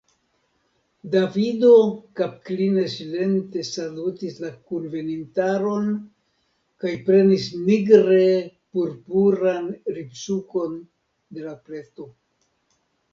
Davido kapkline silente salutis la kunvenintaron kaj prenis nigre purpuran ribsukon de la pleto.